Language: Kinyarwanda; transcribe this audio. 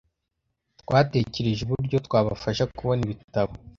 twatekereje uburyo twabafasha kubona ibitabo